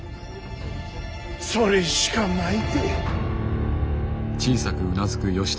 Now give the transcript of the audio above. それしかないて。